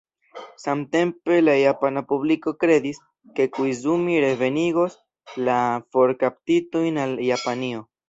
Samtempe la japana publiko kredis, ke Koizumi revenigos la forkaptitojn al Japanio.